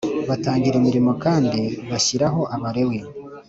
batangira imirimo kandi bashyiraho Abalewi